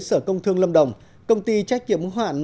sở công thương lâm đồng công ty trách kiểm hoạn